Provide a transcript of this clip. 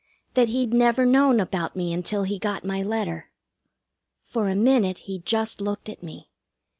That he'd never known about me until he got my letter. For a minute he just looked at me.